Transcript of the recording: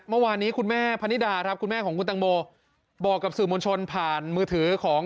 เมื่อวานนี้คุณแม่พนิดาครับคุณแม่ของคุณตังโมบอกกับสื่อมวลชนผ่านมือถือของ